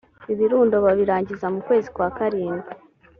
ibirundo babirangiza mu kwezi kwa karindwi